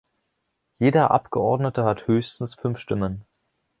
Jeder Abgeordnete hat höchstens fünf Stimmen.